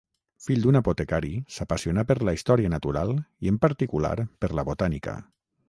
Fill d'un apotecari, s'apassionà per la història natural i en particular per la botànica.